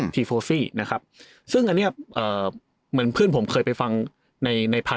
ทีโฟฟี่นะครับซึ่งอันเนี้ยเอ่อเหมือนเพื่อนผมเคยไปฟังในในพันธ